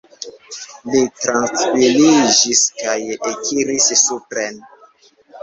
Li trankviliĝis kaj ekiris supren.